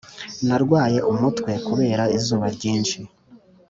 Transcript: Narwaye umutwe kubera izuba ryinshi